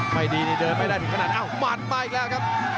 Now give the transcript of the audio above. ไม่เดินไม่ได้ดีขนาดหมันมาอีกแล้วครับ